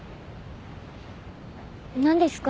何ですか？